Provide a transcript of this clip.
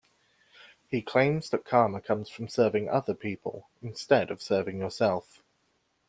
He claims that Karma comes from serving other people instead of serving yourself.